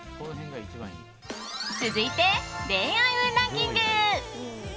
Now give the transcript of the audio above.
続いて、恋愛運ランキング。